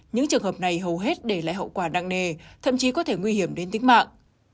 những trường hợp này hầu hết để lại hậu quả nặng nề thậm chí có thể nguy hiểm đến tính mạng